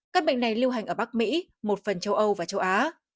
các bệnh này lưu hành ở bắc mỹ một phần châu âu và châu á